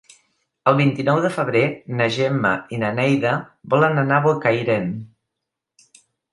El vint-i-nou de febrer na Gemma i na Neida volen anar a Bocairent.